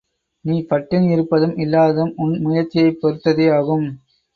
நீ பட்டினி இருப்பதும் இல்லாததும் உன் முயற்சியைப் பெறுத்ததேயாகும்.